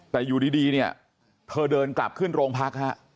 แต่อยู่ดีเนี่ยเธอเดินกลับขึ้นโรงพักฮะ